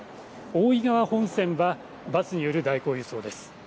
大井川本線はバスによる代行輸送です。